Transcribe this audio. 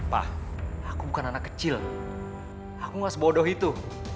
pak aku bukan anak kecil aku gak sebodoh itu